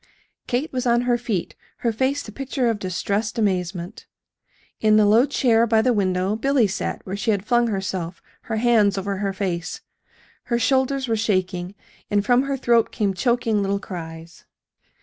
Kate was on her feet, her face the picture of distressed amazement. In the low chair by the window Billy sat where she had flung herself, her hands over her face. Her shoulders were shaking, and from her throat came choking little cries.